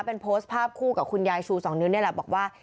เป็นโพสต์ภาพคู่กับคุณยายชูสองนิ้วนี่แหละบอกว่า